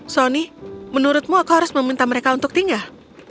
sony menurutmu aku harus meminta mereka untuk tinggal